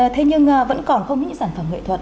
thế nhưng vẫn còn không những sản phẩm nghệ thuật